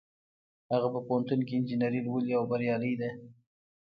هغه په پوهنتون کې انجینري لولي او بریالۍ ده